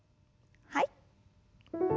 はい。